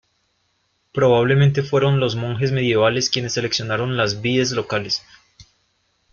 Probablemente fueron los monjes medievales quienes seleccionaron las vides locales.